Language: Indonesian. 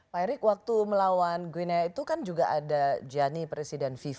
pak erick waktu melawan guinea itu kan juga ada jani presiden